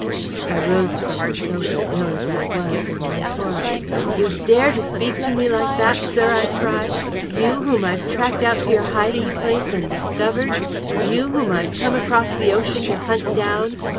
I rose from the sofa, ill as I was, in my horror. "You dare to speak to me like that, sir!" I cried. "You, whom I've tracked out to your hiding place and discovered! You, whom I've come across the ocean to hunt down!